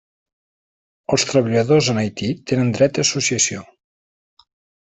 Els treballadors en Haití tenen dret a associació.